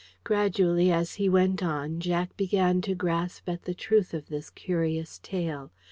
Gradually as he went on Jack began to grasp at the truth of this curious tale.